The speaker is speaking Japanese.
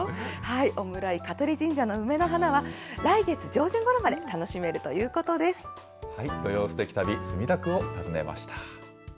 小村井香取神社の梅の花は、来月上旬ごろまで楽しめるということ土曜すてき旅、墨田区を訪ねました。